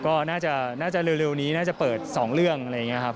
ก็น่าจะเร็วนี้น่าจะเปิด๒เรื่องอะไรอย่างนี้ครับ